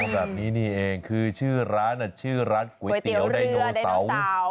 แบบนี้นี่เองคือชื่อร้านชื่อร้านก๋วยเตี๋ยวไดโนเสาร์